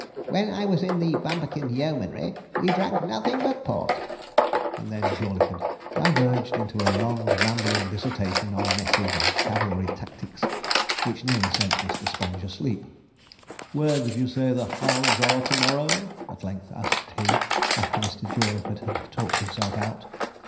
When I was in the Bumperkin yeomanry we drank nothing but port.' And then Jawleyford diverged into a long rambling dissertation on messes and cavalry tactics, which nearly sent Mr. Sponge asleep. 'Where did you say the hounds are to morrow?' at length asked he, after Mr. Jawleyford had talked himself out.